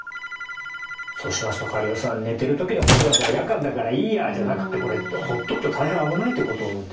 そうしますと苅尾さん寝てる時のことだから夜間だからいいやじゃなくってこれほっとくと大変危ないということですね。